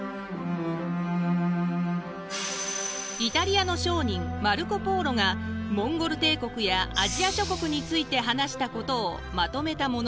イタリアの商人マルコ＝ポーロがモンゴル帝国やアジア諸国について話したことをまとめたものです。